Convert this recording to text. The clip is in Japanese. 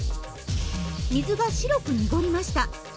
水が白く濁りました。